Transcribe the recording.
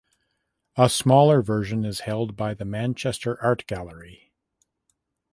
A smaller version is held by the Manchester Art Gallery.